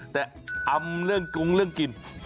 แต่อำเรื่องกุ้งเรื่องกิน